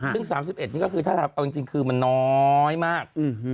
ซึ่ง๓๑นี่ก็คือถ้าเอาจริงคือมันน้อยมาก